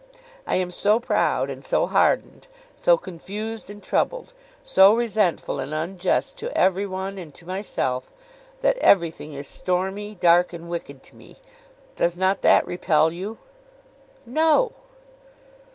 I am so proud and so hardened, so confused and troubled, so resentful and unjust to every one and to myself, that everything is stormy, dark, and wicked to me. Does not that repel you?' 'No!